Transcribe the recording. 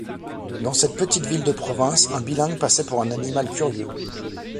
Dans cette petite ville de province, un bilingue passait pour un animal curieux.